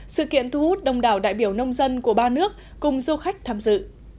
sự kiện thu hút đông đảo đại biểu nông dân của ba nước cùng du khách tham dự